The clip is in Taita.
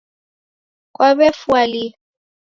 Kwawefua lii?